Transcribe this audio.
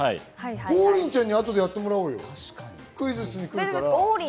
王林ちゃんに後でやってもらおうよ、クイズッスに来るから。